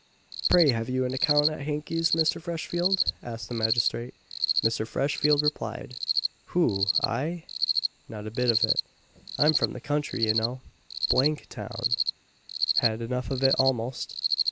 "Pray, have you an account at Hankey's, Mr. Freshfield?" asked the magistrate. Mr. Freshfield replied, "Who, I? not a bit of it. I'm from the country, you know. D n town! Had enough of it almost.